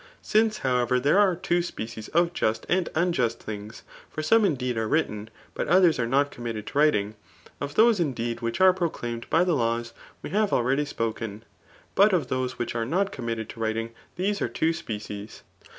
Since, however, there are two species of just and ua juat things ^ for some indeed are written, hut others are not committed to writing ; of those indeed which are proclaimed by the laws we have already apoken« But of those which are not committed to writing there are two species.